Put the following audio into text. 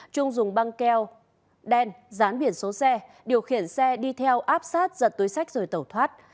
trung dùng băng keo đen dán biển số xe điều khiển xe đi theo áp sát giật túi sách rồi tẩu thoát